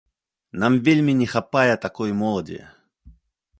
Нам вельмі не хапае такой моладзі.